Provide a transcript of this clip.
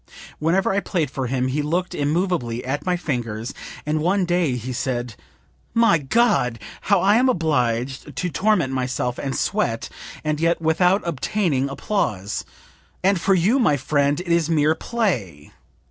Whenever I played for him he looked immovably at my fingers, and one day he said 'My God! how I am obliged to torment myself and sweat, and yet without obtaining applause; and for you, my friend, it is mere play!'